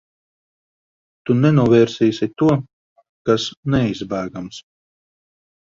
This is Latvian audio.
Tu nenovērsīsi to, kas neizbēgams.